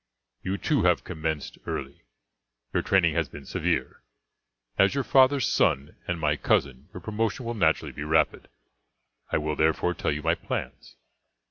You, too, have commenced early, your training has been severe. As your father's son and my cousin your promotion will naturally be rapid. I will, therefore, tell you my plans.